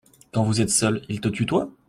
Quand vous êtes seuls, il te tutoie ?